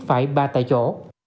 phải ba tại chỗ